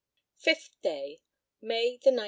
FIFTH DAY, MAY 19.